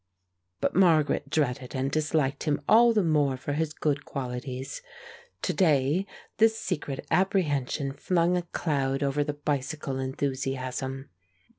But Margaret dreaded and disliked him all the more for his good qualities. To day this secret apprehension flung a cloud over the bicycle enthusiasm.